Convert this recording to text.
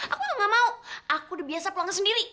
aku gak mau aku udah biasa pulang sendiri